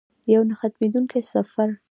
یو نه ختمیدونکی سفر.